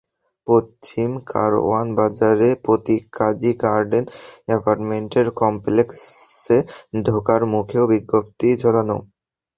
পশ্চিম কারওয়ান বাজারে Pratik Kazi garden apartment কমপ্লেক্সে ঢোকার মুখেও বিজ্ঞপ্তি ঝোলানো।